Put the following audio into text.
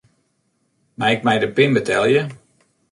Mei ik mei de pin betelje?